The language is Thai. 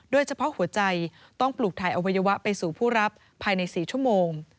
โดยเฉพาะหัวใจต้องปลูกถ่ายอวัยวะไปสู่ผู้รับภายใน๔ชั่วโมง